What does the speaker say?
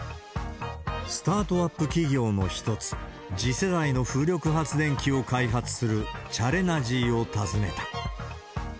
スタートアップ企業の一つ、次世代の風力発電機を開発する、チャレナジーを訪ねた。